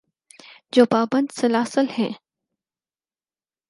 جو پابند سلاسل ہیں۔